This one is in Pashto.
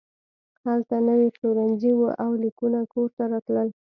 هلته نوي پلورنځي وو او لیکونه کور ته راتلل